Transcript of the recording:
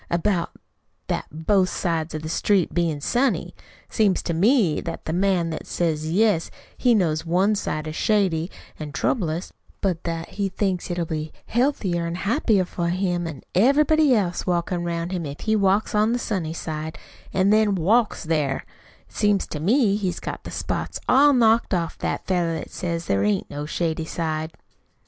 "About that both sides of the street bein' sunny it seems to me that the man what says, yes, he knows one side is shady an' troublous, but that he thinks it'll be healthier an' happier for him an' everybody else 'round him if he walks on the sunny side, an' then WALKS THERE it seems to me he's got the spots all knocked off that feller what says there AIN'T no shady side!"